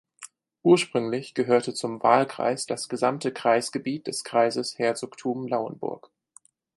Ursprünglich gehörte zum Wahlkreis das gesamte Kreisgebiet des Kreises Herzogtum Lauenburg.